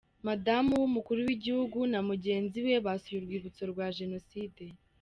Madamu wumukuru w’igihugu na mugenzi we basuye urwibutso rwa jenoside